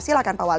silakan pak wali